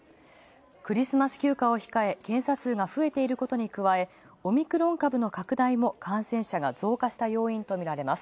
クリスマス休暇を控え、検査数が増えていることに加え、オミクロン株の拡大も感染者が増加した要因とみられます。